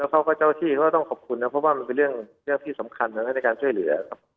แล้วก็เจ้าที่ก็ต้องขอบคุณนะเพราะว่ามันเป็นเรื่องที่สำคัญในการช่วยเหลือครับ